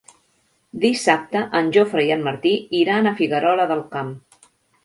Dissabte en Jofre i en Martí iran a Figuerola del Camp.